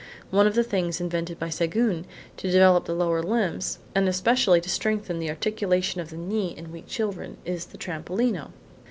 One of the things invented by Séguin to develop the lower limbs, and especially to strengthen the articulation of the knee in weak children, is the trampolino.